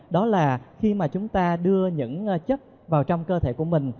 đó là khi mà chúng ta đưa những chất vào trong cơ thể của mình